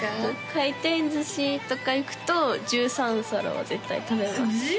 回転寿司とか行くと１３皿は絶対食べます